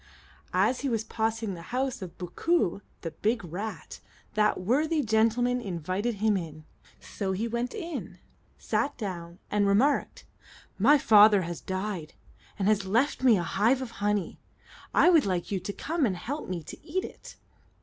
As he was passing the house of Boo'koo, the big rat, that worthy gentleman invited him in. So he went in, sat down, and remarked: "My father has died, and has left me a hive of honey. I would like you to come and help me to eat it."